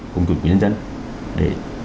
cùng cùng quý nhân dân